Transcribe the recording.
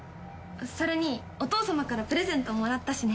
それにお父様からプレゼントもらったしね。